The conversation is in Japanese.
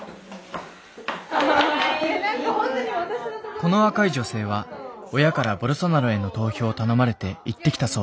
この若い女性は親からボルソナロへの投票を頼まれて行ってきたそう。